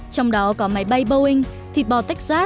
trong đó có máy bay boeing thịt bò texas